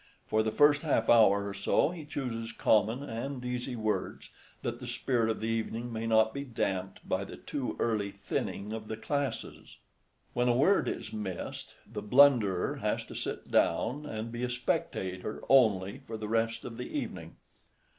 For the first half hour or so he chooses common and easy words, that the spirit of the evening may not be damped by the too early thinning of the classes. When a word is missed, the blunderer has to sit down, and be a spectator only for the rest of the evening.